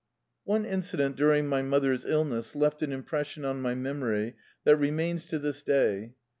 One incident during my mother's illness left an impression on my memory that remains to this day.